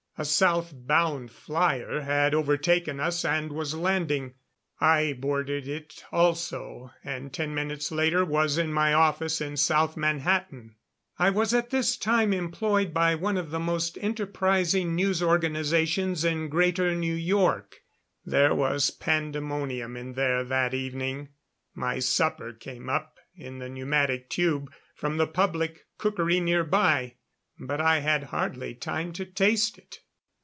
A south bound flyer had overtaken us and was landing. I boarded it also, and ten minutes later was in my office in South Manhattan. I was at this time employed by one of the most enterprising news organizations in Greater New York. There was pandemonium in there that evening. My supper came up in the pneumatic tube from the public cookery nearby, but I had hardly time to taste it.